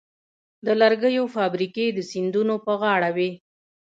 د لرګیو فابریکې د سیندونو په غاړه وې.